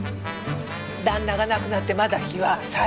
旦那が亡くなってまだ日は浅い。